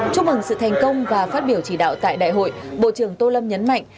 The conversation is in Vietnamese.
chúc mừng sự thành công và phát biểu chỉ đạo tại đại hội bộ trưởng tô lâm nhấn mạnh